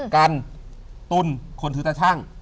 กันตุ้นคนถือตาชั่ง